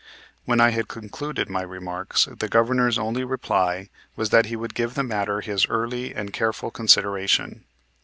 When I had concluded my remarks the Governor's only reply was that he would give the matter his early and careful consideration.